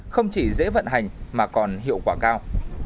không chỉ dễ vận hành mà còn hiệu quả cao